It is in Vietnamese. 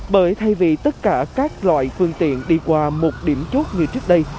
bởi thay vì tất cả các loại phương tiện đi qua một điểm chốt như trước đây